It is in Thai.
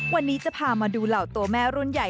วันนี้จะพามาดูเหล่าตัวแม่รุ่นใหญ่